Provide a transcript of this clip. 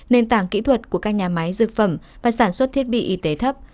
nền tảng kỹ thuật của các nhà máy dược phẩm và sản xuất thiết bị y tế thấp